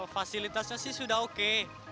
fasilitasnya sih sudah oke